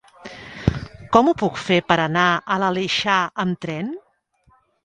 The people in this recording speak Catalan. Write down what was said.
Com ho puc fer per anar a l'Aleixar amb tren?